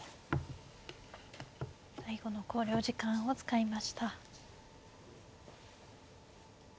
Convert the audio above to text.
最後の考慮時間を使いました。